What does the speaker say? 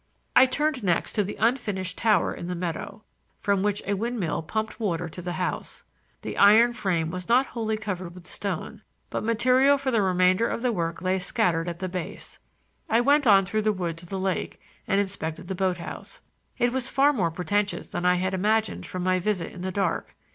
I turned next to the unfinished tower in the meadow, from which a windmill pumped water to the house. The iron frame was not wholly covered with stone, but material for the remainder of the work lay scattered at the base. I went on through the wood to the lake and inspected the boat house. It was far more pretentious than I had imagined from my visit in the dark.